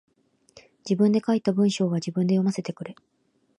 自分で書いた文章は自分で読ませてくれ。